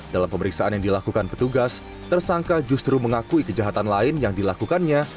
dalam pemeriksaan yang dilakukan petugas tersangka justru mengakui kejahatan lain yang dilakukannya